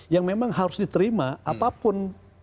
yang memang harus diterima apapun